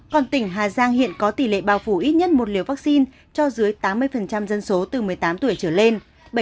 còn tỉnh hà giang hiện có tỷ lệ bao phủ ít nhất một liều vaccine cho dưới tám mươi dân số từ một mươi tám tuổi trở lên bảy mươi tám bốn